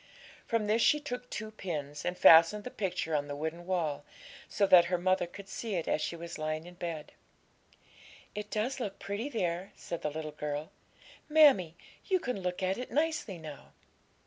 From this she took two pins, and fastened the picture on the wooden wall, so that her mother could see it as she was lying in bed. 'It does look pretty there,' said the little girl; 'mammie, you can look at it nicely now.'